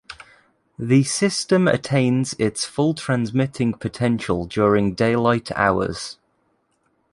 The system attains its full transmitting potential during daylight hours.